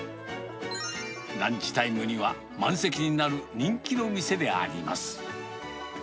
ランチタイムには満席になる人気の店であります。